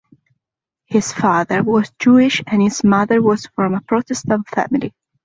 His father was Jewish and his mother was from a Protestant family.